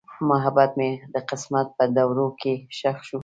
محبت مې د قسمت په دوړو کې ښخ شو.